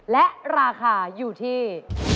และราคาอยู่ที่